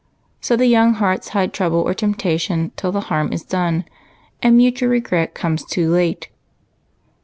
So the young hearts hide trouble or temptation till the harm is done, and mutual regret comes too late.